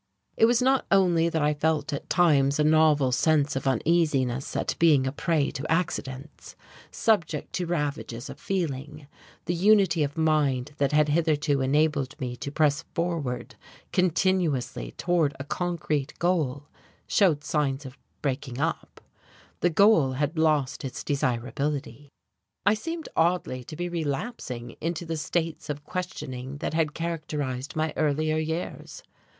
It was not only that I felt at times a novel sense of uneasiness at being a prey to accidents, subject to ravages of feeling; the unity of mind that had hitherto enabled me to press forward continuously toward a concrete goal showed signs of breaking up: the goal had lost its desirability. I seemed oddly to be relapsing into the states of questioning that had characterized my earlier years.